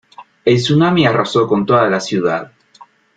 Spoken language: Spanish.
El tsunami arrasó con toda la ciudad.